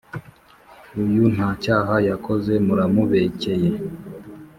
Uyunta cyaha yakoze muramubecyeye